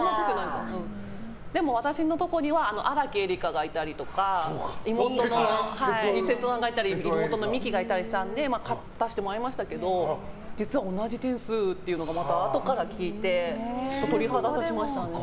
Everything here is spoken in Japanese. でも、私のところには荒木絵里香がいたりとか鉄腕がいたり妹がいたりしたので勝たせてもらいましたけど実は同じ点数っていうのをまた、あとから聞いて鳥肌が立ちましたね。